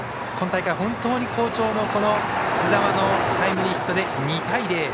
今大会、本当に好調の津澤のタイムリーヒットで２対０。